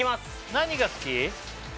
何が好き？